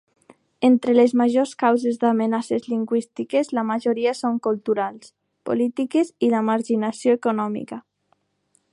Entre les majors causes d'amenaces lingüístiques la majoria són culturals, polítiques i la marginació econòmica.